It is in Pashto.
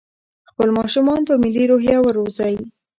خپل ماشومان په ملي روحيه وروزئ.